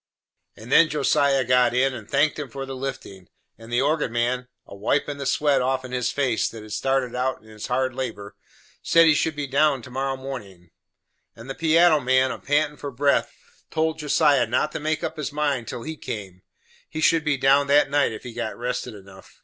And then Josiah got in, and thanked 'em for the liftin'; and the organ man, a wipin' the sweat offen his face that had started out in his hard labor said he should be down to morrow mornin'; and the piano man, a pantin' for breath, told Josiah not to make up his mind till he came; he should be down that night if he got rested enough.